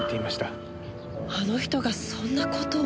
あの人がそんな事を。